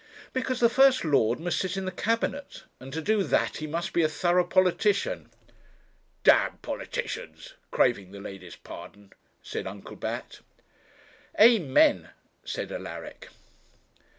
'Because the first lord must sit in the Cabinet, and to do that he must be a thorough politician.' 'D politicians! craving the ladies' pardon,' said Uncle Bat. 'Amen!' said Alaric.